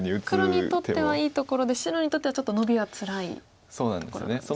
黒にとってはいいところで白にとってはちょっとノビはつらいところなんですね。